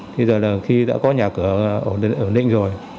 bây giờ là khi đã có nhà cửa ở ninh rồi